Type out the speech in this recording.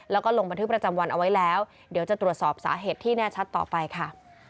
แล้วก็ลงบันทึกประจำวันเอาไว้แล้วเดี๋ยวจะตรวจสอบสาเหตุที่แน่ชัดต่อไปค่ะ